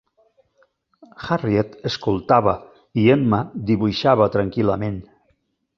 Harriet escoltava i Emma dibuixava tranquil·lament.